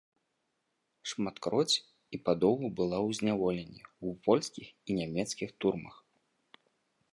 Шматкроць і падоўгу была ў зняволенні ў польскіх і нямецкіх турмах.